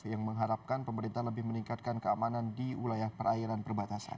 yang mengharapkan pemerintah lebih meningkatkan keamanan di wilayah perairan perbatasan